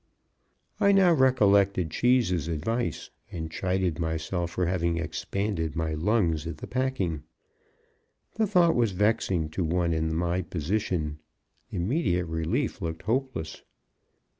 I now recollected Cheese's advice, and chided myself for having expanded my lungs at the packing. The thought was vexing to one in my position. Immediate relief looked hopeless.